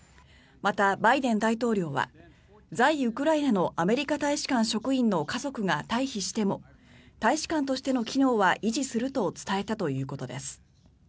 また、バイデン大統領は在ウクライナのアメリカ大使館職員の家族が退避しても大使館としての機能は維持すると伝えたということです。